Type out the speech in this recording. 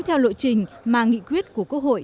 theo lộ trình mà nghị quyết của quốc hội